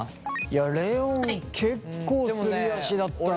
レオン結構すり足だったね。